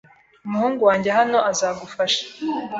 Umuhungu wanjye hano azagufasha.